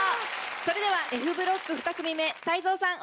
それではＦブロック２組目泰造さん